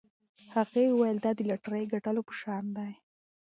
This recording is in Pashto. هغې وویل دا د لاټرۍ ګټلو په شان دی.